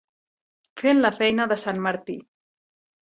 Fent la feina de sant Martí.